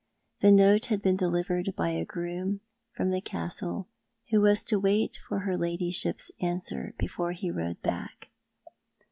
The note had been delivered by a groom from the Castle, who was to wait for her ladyship's answer before he rode back.